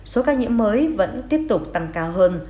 số ca nhiễm mới vẫn tiếp tục tăng cao hơn